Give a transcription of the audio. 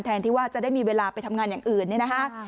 ที่ว่าจะได้มีเวลาไปทำงานอย่างอื่นเนี่ยนะคะ